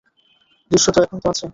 দৃশ্যত, এখন তো আছে।